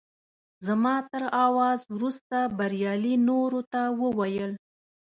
زما تر اواز وروسته بریالي نورو ته وویل.